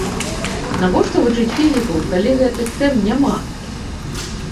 Навошта вучыць фізіку, калі гэтых тэм няма?